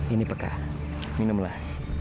ini pekah minumlah